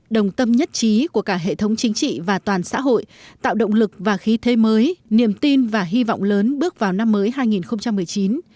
đồng tâm nhất trí của cả hệ thống chính trị và toàn xã hội tạo động lực và khí thế mới niềm tin và hy vọng lớn bước vào năm mới hai nghìn một mươi chín